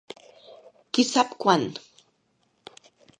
Qui sap quant.